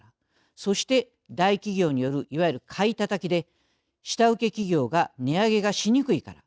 そして大企業によるいわゆる買いタタキで下請け企業が値上げがしにくいから。